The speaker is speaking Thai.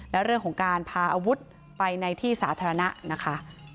และเรื่องของการพาอาวุธไปในที่สาธารณะนะคะ